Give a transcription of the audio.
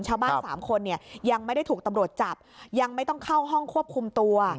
สามคนเนี่ยยังไม่ได้ถูกตำรวจจับยังไม่ต้องเข้าห้องควบคุมตัว